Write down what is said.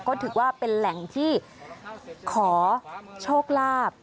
ก็ถือว่าเป็นแหล่งที่ขอโชคลาภ